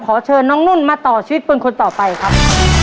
ขอเชิญน้องนุ่นมาต่อชีวิตเป็นคนต่อไปครับ